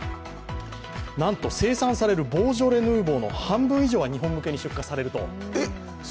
なんと生産されるボージョレ・ヌーボーの半分以上が日本向けに出荷されると。